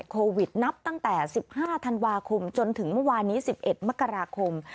โควิดนับตั้งแต่๑๕ธันวาคมจนถึงเมื่อวานนี้๑๑มกราคม